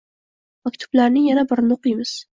Maktublarning yana birini o‘qiymiz: